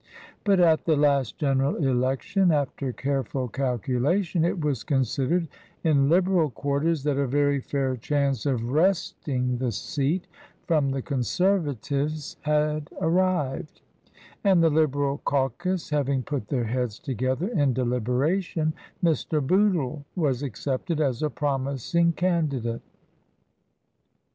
But at the last general election, after careful calculation, it was con sidered in Liberal quarters that a very fair chance of wresting the seat from the Conservatives had arrived, TRANSITION. 20^ and the Liberal caucus having put their heads together in deliberation, Mr. Bootle was accepted as a promising candidate.